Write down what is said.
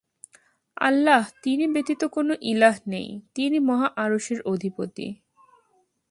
আল্লাহ, তিনি ব্যতীত কোন ইলাহ নেই, তিনি মহা আরশের অধিপতি।